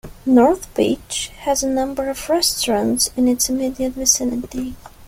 North Beach has a number of restaurants in its immediate vicinity.